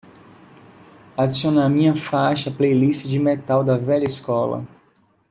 Adicionar minha faixa à playlist de metal da velha escola